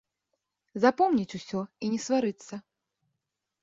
Запомніць усё і не сварыцца!